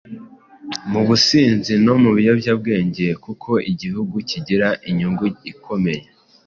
mu businzi no mu biyobyabwenge. Kuko igihugu kigira inyungu ikomeye